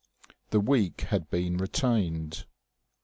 The week had been retained.